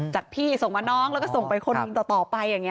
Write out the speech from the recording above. จากพี่ส่งมาน้องแล้วก็ส่งไปคนต่อไปอย่างนี้